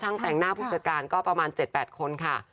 แต่งหน้าผู้จัดการก็ประมาณ๗๘คนค่ะ